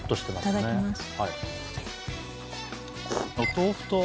いただきます。